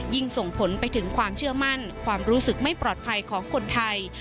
ส่งผลไปถึงความเชื่อมั่นความรู้สึกไม่ปลอดภัยของคนไทย